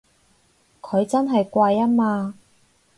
佢真係貴吖嘛！